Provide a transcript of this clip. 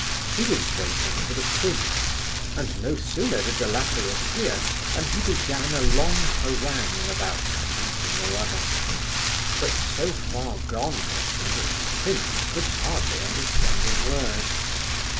He was waiting for the prince, and no sooner did the latter appear than he began a long harangue about something or other; but so far gone was he that the prince could hardly understand a word.